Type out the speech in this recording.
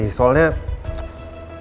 gini soalnya meeting saya hari ini